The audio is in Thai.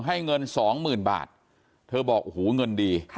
เงินสองหมื่นบาทเธอบอกโอ้โหเงินดี